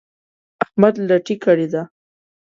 احمد لټي کړې ده.